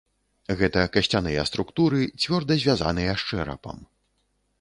Гэта касцяныя структуры, цвёрда звязаныя з чэрапам.